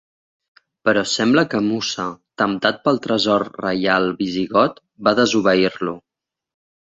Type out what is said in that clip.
Però sembla que Mussa, temptat pel tresor reial visigot, va desobeir-lo.